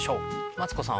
マツコさん